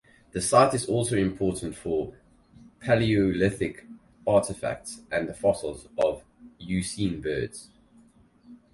The site is also important for Palaeolithic artefacts and the fossils of Eocene birds.